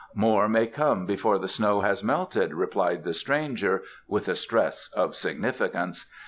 "More may come before the snow has melted," replied the stranger, with a stress of significance.